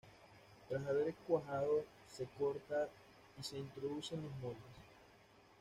Tras haber cuajado se corta y se introduce en los moldes.